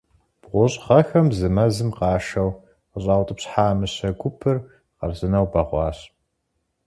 БгъущӀ гъэхэм мы мэзым къашэу къыщӏаутӏыпщхьа мыщэ гупыр хъарзынэу бэгъуащ.